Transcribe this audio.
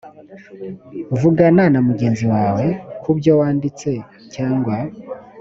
vugana na mugenzi wawe ku byo wanditse cyangwa